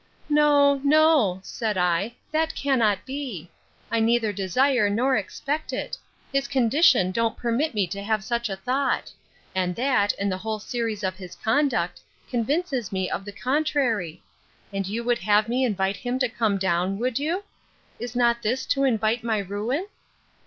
—No, no, said I, that cannot be.—I neither desire nor expect it. His condition don't permit me to have such a thought; and that, and the whole series of his conduct, convinces me of the contrary; and you would have me invite him to come down, would you? Is not this to invite my ruin?